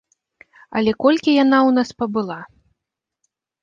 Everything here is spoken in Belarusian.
Але колькі яна ў нас пабыла?